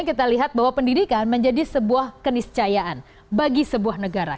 kita lihat bahwa pendidikan menjadi sebuah keniscayaan bagi sebuah negara